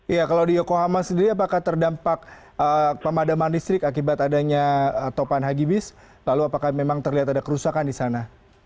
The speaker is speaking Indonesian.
ya kalau di yokohama sendiri apakah terdampak pemadaman listrik akibat adanya topan haji bis lalu apakah memang terlihat ada kerusakan di sana